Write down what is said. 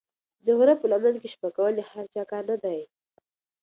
د غره په لمن کې شپه کول د هر چا کار نه دی.